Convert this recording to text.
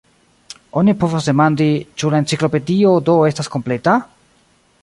Oni povas demandi, ĉu la Enciklopedio do estas kompleta?